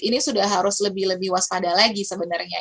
ini sudah harus lebih lebih waspada lagi sebenarnya